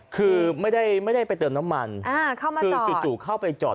คือไม่ได้ไปเติมน้ำมันคือจู่เข้าไปจอด